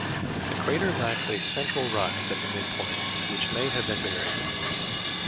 The crater lacks a central rise at the midpoint, which may have been buried.